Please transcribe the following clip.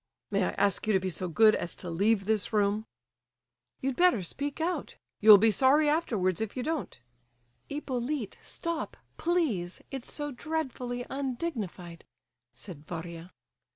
"May I ask you to be so good as to leave this room?" "You'd better speak out. You'll be sorry afterwards if you don't." "Hippolyte, stop, please! It's so dreadfully undignified," said Varia.